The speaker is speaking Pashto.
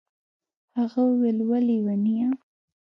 هغه وويل وه ليونيه.